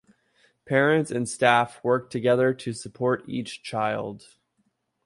Parents and staff work together to support each child.